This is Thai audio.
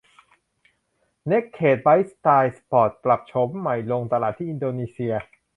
เนกเคดไบค์สไตล์สปอร์ตปรับโฉมใหม่ลงตลาดที่อินโดนีเซีย